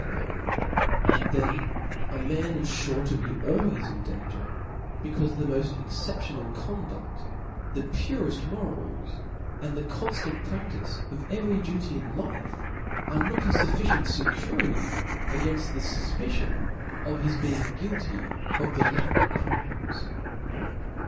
iys J)fe ; ahd then a man is fure to be always in danger, B o o ic becaufe the mod exceptionable conduft, the^^j,^^": |)urcft morals, and the conftarit praftice of every duty in life, are not a fufficient fecurity againft the fufpicion of his being guilty of the like crithes.